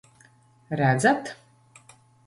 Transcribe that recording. Redzat?